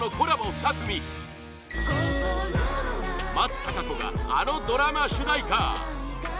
２組松たか子があのドラマ主題歌